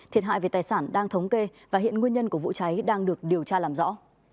thiệt hại về tài sản đang thống kê và hiện nguyên nhân của vụ cháy đang được điều tra làm rõ